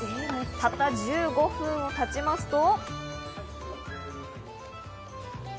たった１５分たちますと。